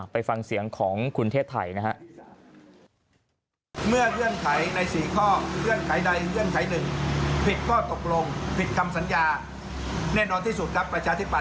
ไปฟังเสียงของคุณเทศไทยนะฮะ